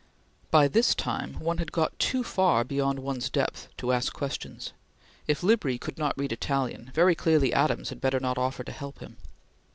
By this time, one had got too far beyond one's depth to ask questions. If Libri could not read Italian, very clearly Adams had better not offer to help him.